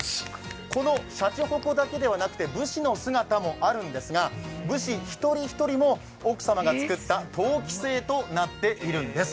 このしゃちほこだけではなくて武士の姿もあるんですが武士、１人１人も奥様が作った陶器製となっているんです。